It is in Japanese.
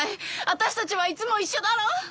私たちはいつも一緒だろ！